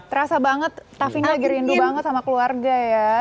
terasa banget taffy lagi rindu banget sama keluarga ya